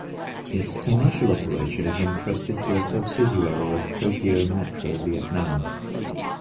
Its commercial operation is entrusted to a subsidiary of Tokyo Metro Vietnam.